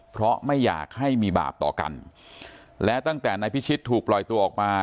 เพราะไม่อยากให้มีบาปต่อกันและตั้งแต่นายพิชิตถูกปล่อยตัวออกมา